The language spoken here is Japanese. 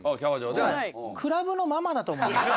クラブのママだと思います。